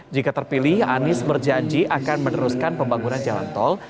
jika terpilih anies berjanji akan meneruskan pembangunan jalan tol